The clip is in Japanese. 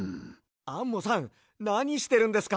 アンモさんなにしてるんですか？